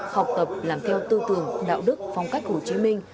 học tập làm theo tư tưởng đạo đức phong cách hồ chí minh